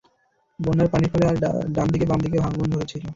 বন্যার পানির ফলে তার ডান ও বামদিকে ভাঙন ধরেছিল।